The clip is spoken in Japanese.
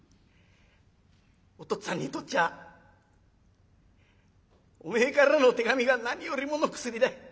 お父っつぁんにとっちゃおめえからの手紙が何よりもの薬だ。